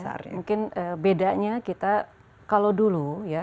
oke ya mungkin bedanya kita kalau dulu ya